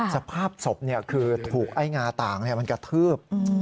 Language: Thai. สภาพศพเนี่ยคือถูกไอ้งาต่างเนี่ยมันกระทืบ